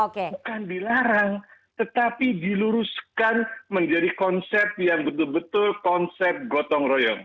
bukan dilarang tetapi diluruskan menjadi konsep yang betul betul konsep gotong royong